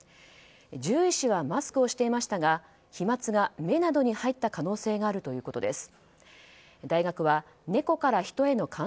獣医師はマスクをしていましたが飛沫が目などに入った可能性があるということです。